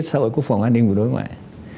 xã hội quốc phòng an ninh và đối ngoại